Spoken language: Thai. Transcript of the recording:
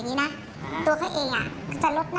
ก็ไม่รู้ว่าฟ้าจะระแวงพอพานหรือเปล่า